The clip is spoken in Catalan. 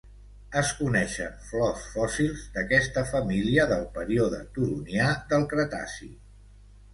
Es coneixen flors fòssils d'aquesta família del període Turonià del Cretaci.